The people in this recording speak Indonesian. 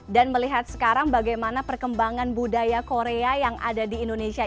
dan melihat sekarang bagaimana perkembangan budaya korea yang ada di indonesia